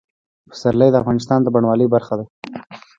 پسرلی د افغانستان د بڼوالۍ برخه ده.